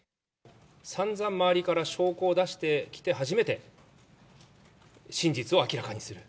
さんざん周りから証拠を出してきて、初めて真実を明らかにする。